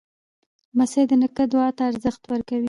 لمسی د نیکه دعا ته ارزښت ورکوي.